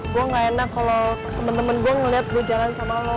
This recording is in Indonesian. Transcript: gue gak enak kalau temen temen gue ngeliat gue jalan sama allah